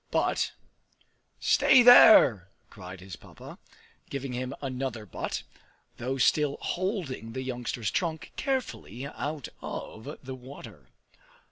But "Stay there!" cried his Papa, giving him another butt, though still holding the youngster's trunk carefully out of the water.